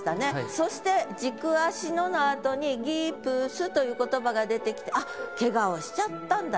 そして「軸足の」のあとに「ギプス」という言葉が出てきてあっケガをしちゃったんだと。